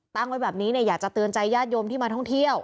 ตั้งไว้แบบนี้อยากจะเตือนใจญาติโยมที่มาท่องเที่ยว